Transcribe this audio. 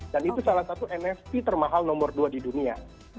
dan itu salah satu nft termahal nomor dua di dunia